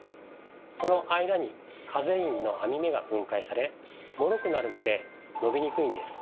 その間にカゼインの網目が分解されもろくなるので伸びにくいんです。